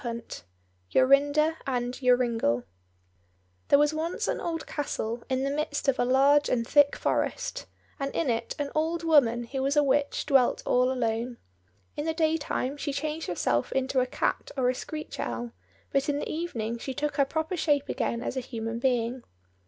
69 Jorinda and Joringel There was once an old castle in the midst of a large and thick forest, and in it an old woman who was a witch dwelt all alone. In the day time she changed herself into a cat or a screech owl, but in the evening she took her proper shape again as a human being.